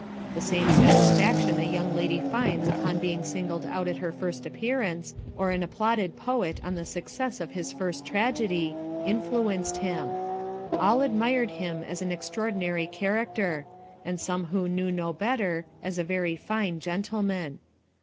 The same satisfaction a young lady finds upon being singled out at her first appearance, or an applauded poet on the success of his first tragedy, influenced him. All admired him as an extraordinary character ; and some who knew no better, as a very tine gentleman.